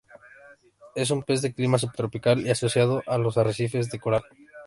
Es un pez de clima subtropical y asociado a los arrecifes de coral.